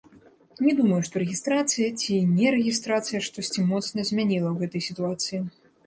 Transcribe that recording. Не думаю, што рэгістрацыя ці нерэгістрацыя штосьці моцна змяніла ў гэтай сітуацыі.